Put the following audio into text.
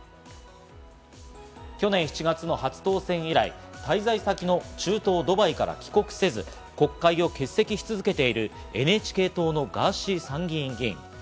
去年７月の初当選以来、滞在先の中東ドバイから帰国せず、国会を欠席し続けているＮＨＫ党のガーシー参議院議員。